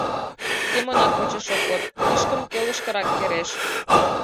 — Семонат почеш ок код, ишкым келгышкырак кереш.